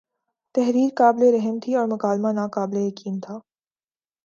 تحریر قابل رحم تھی اور مکالمہ ناقابل یقین تھا